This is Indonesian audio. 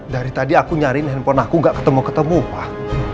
dari tadi aku nyari handphone aku gak ketemu ketemu pak